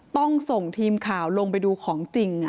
ต้องส่งทีมข่าวลงไปดูของจริง